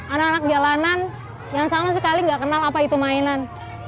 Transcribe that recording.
anak anak jalanan yang sama sekali nggak kenal apa itu mainan